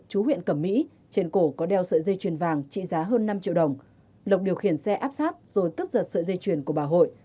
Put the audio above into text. chú huyện cẩm mỹ trên cổ có đeo sợi dây chuyền vàng trị giá hơn năm triệu đồng lộc điều khiển xe áp sát rồi cướp giật sợi dây chuyền của bà hội